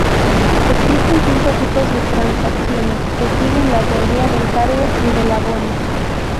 Existen cinco tipos de transacciones que siguen la teoría del cargo y del abono.